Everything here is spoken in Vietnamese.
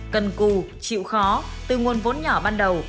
cần cù chịu khó từ nguồn vốn nhỏ ban đầu